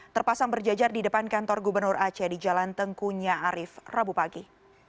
terpasang berjajar di depan kantor gubernur aceh di jalan tengkunya arief rabu pagi